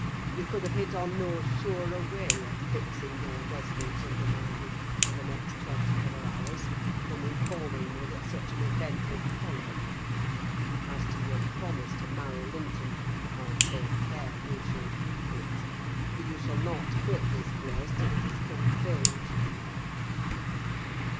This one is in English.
You could have hit on no surer way of fixing your residence under my roof for the next twenty four hours than informing me that such an event would follow. As to your promise to marry Linton, I'll take care you shall keep it; for you shall not quit this place till it is fulfilled."